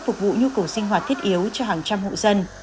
phục vụ nhu cầu sinh hoạt thiết yếu cho hàng trăm hộ dân